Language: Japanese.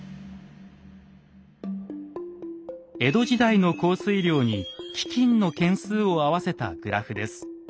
江戸時代の降水量に飢きんの件数を合わせたグラフです。